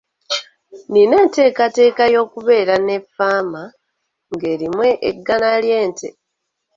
Nina enteekateeka y'okubeera ne ffaama ng'erimu eggana ly'ente.